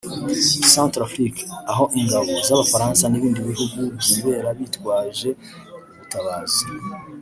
Centrafrique aho ingabo z’Abafaransa n’ibindi bihugu byibera bitwaje ubutabazi